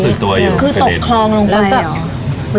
คือตกคลองลงไป